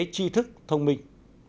chi thức thông minh